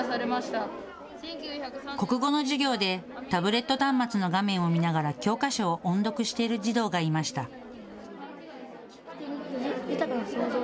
国語の授業でタブレット端末の画面を見ながら教科書を音読している児童がいました。